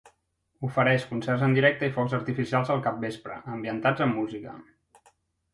Ofereix concerts en directe i focs artificials al capvespre, ambientats amb música.